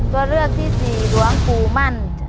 ตัวเลือกที่สี่หลวงปู่มั่น